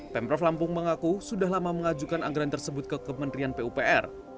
pemprov lampung mengaku sudah lama mengajukan anggaran tersebut ke kementerian pupr